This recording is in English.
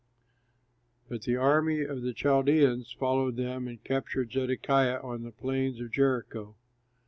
But the army of the Chaldeans followed them and captured Zedekiah on the plains of Jericho.